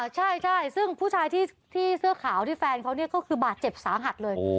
ใช่ซึ่งผู้ชายที่เสื้อขาวที่แฟนเขาเนี่ยก็คือบาดเจ็บสาหัสเลย